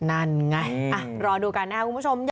นั่นไงรอดูกันนะครับคุณผู้ชม